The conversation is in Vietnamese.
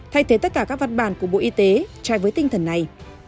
thay thế tất cả các văn bản của bộ y tế trái với tinh thần này